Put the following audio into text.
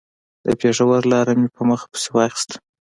د پېښور لاره مې په مخه پسې واخيسته.